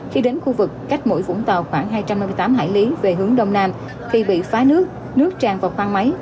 khi đến khu vực cách mũi vũng tàu khoảng hai trăm năm mươi tám hải lý về hướng đông nam thì bị phá nước nước tràn vào khoang máy